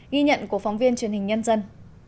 ghi nhận của phóng viên truyền hình nhân dân